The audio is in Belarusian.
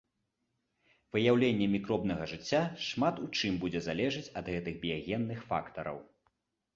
Выяўленне мікробнага жыцця шмат у чым будзе залежаць ад гэтых біягенных фактараў.